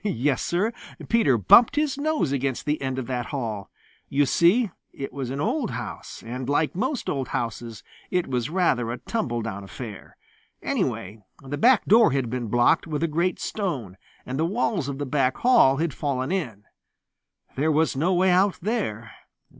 Yes, Sir, Peter bumped his nose against the end of that hall. You see, it was an old house, and like most old houses it was rather a tumble down affair. Anyway, the back door had been blocked with a great stone, and the walls of the back hall had fallen in. There was no way out there.